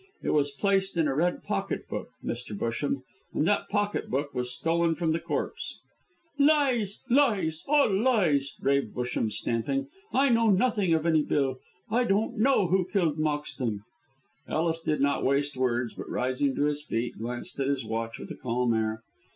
It was placed in a red pocket book, Mr. Busham, and that pocket book was stolen from the corpse." "Lies! Lies! All lies!" raved Busham, stamping. "I know nothing of any bill! I don't know who killed Moxton!" Ellis did not waste words, but rising to his feet glanced at his watch with a calm air.